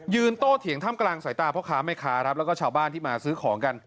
โตเถียงถ้ำกลางสายตาพ่อค้าแม่ค้าครับแล้วก็ชาวบ้านที่มาซื้อของกัน